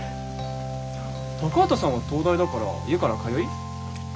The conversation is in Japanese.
高畑さんは東大だから家から通い？